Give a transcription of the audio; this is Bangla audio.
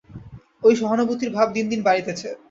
ঐ সহানুভূতির ভাব দিন দিন বাড়িতেছে।